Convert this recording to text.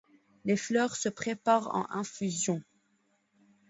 Les fleurs se préparent en infusion.